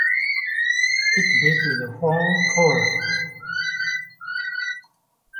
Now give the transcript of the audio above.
Its beak is horn coloured.